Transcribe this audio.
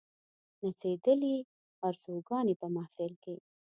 نڅېدلې آرزوګاني په محفل کښي